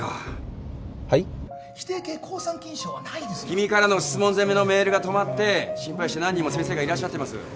君からの質問攻めのメールが止まって心配して何人も先生がいらっしゃってます。